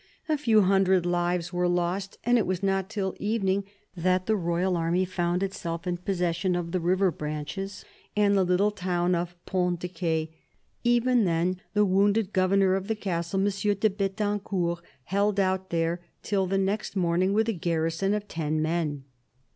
A few hundred lives were lost, and it was not till evening that the royal army found itself in possession of the river branches and the little town of Ponts de C6. Even then the wounded governor of the castle, M. de Bethancourt, held out there till the next morning with a garrison of ten men.